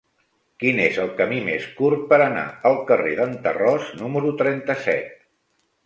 Quin és el camí més curt per anar al carrer d'en Tarròs número trenta-set?